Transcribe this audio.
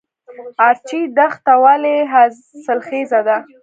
ارچي دښته ولې حاصلخیزه ده؟